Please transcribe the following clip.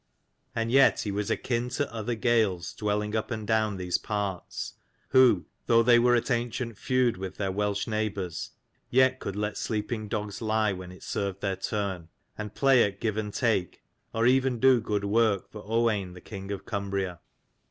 And yet he was akin to other Gaels dwelling up and down these parts : who, though they were at ancient feud with their Welsh neighbours, yet could let sleeping dogs lie when it served their turn, and play at give and take, or even do good work for Owain the king of Cumbria.